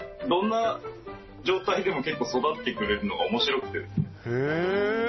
どんな状態でも結構、育ってくれるのがおもしろくてですね。